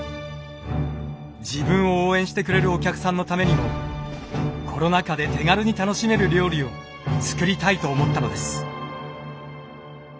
自分を応援してくれるお客さんのためにもコロナ禍で手軽に楽しめる料理を作りたいと思ったのです。